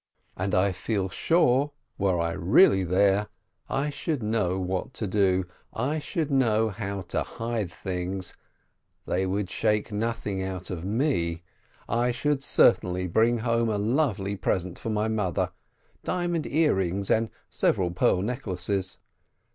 And I feel sure, were I really there, I should know what to do — I should know how to hide things — they would shake nothing out of me. I should certainly bring home a lovely present for my mother, diamond ear rings and several pearl necklaces.